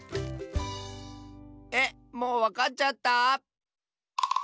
えっもうわかっちゃった？